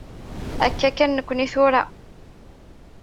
Akka kan nekni tura.